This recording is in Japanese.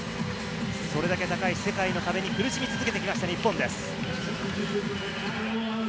それだけ高い世界の壁に苦しみ続けてきました、日本です。